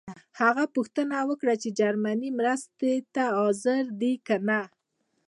هغه پوښتنه وکړه چې جرمني مرستې ته حاضر دی کنه.